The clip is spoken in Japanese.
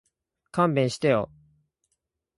勘弁してよ